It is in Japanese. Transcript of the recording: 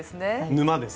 沼です。